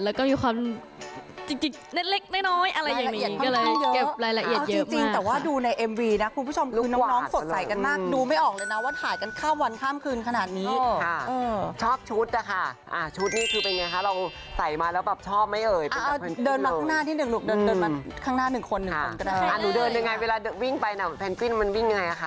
แล้วก็มีความจิกเล็กน้อยอะไรอย่างนี้